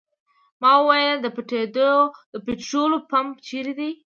ما وویل پټرول پمپ چېرې دی.